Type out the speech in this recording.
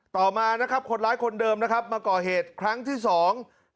ต่อมานะครับคนร้ายคนเดิมนะครับมาก่อเหตุครั้งที่สอง